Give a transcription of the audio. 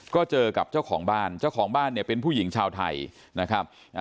ก็เจอกับเจ้าของบ้านเจ้าของบ้านเนี่ยเป็นผู้หญิงชาวไทยนะครับ